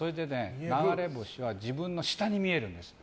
流れ星は自分の下に見えるんです。